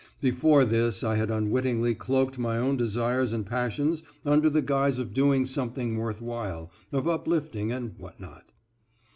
Before this I had unwittingly cloaked my own desires and passions under the guise of doing something worth while, of uplifting and what not.